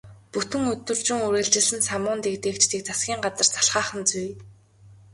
Бүтэн өдөржин үргэлжилсэн самуун дэгдээгчдийг засгийн газар залхаах нь зүй.